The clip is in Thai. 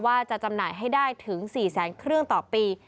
จำหน่ายให้ได้ถึง๔แสนเครื่องต่อปี